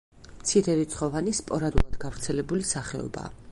მცირერიცხოვანი, სპორადულად გავრცელებული სახეობაა.